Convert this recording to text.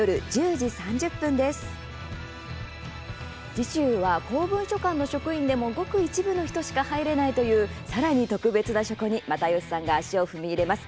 次週は公文書館の職員でもごく一部の人しか入れないというさらに特別な書庫に又吉さんが足を踏み入れます。